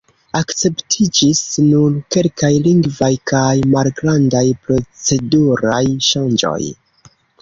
Akceptiĝis nur kelkaj lingvaj kaj malgrandaj proceduraj ŝanĝoj.